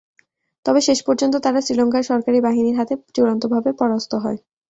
তবে শেষ পর্যন্ত তারা শ্রীলঙ্কার সরকারি বাহিনীর হাতে চূড়ান্তভাবে পরাস্ত হয়।